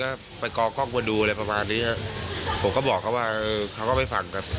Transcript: ก็ไปกอกล้องมาดูอะไรประมาณนี้ผมก็บอกเขาว่าเขาก็ไม่ฟังครับ